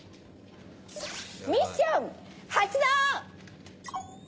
ミッション発動！